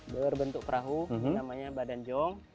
berbentuk perahu namanya badan jong